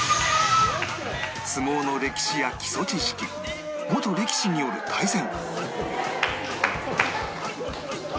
相撲の歴史や基礎知識元力士による対戦